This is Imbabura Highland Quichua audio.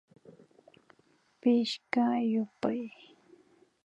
Pichka yupay